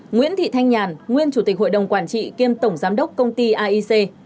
nguyễn thị thanh nhàn nguyên chủ tịch hội đồng quản trị kiêm tổng giám đốc công ty aic